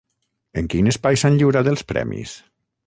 En quin espai s'han lliurat els premis?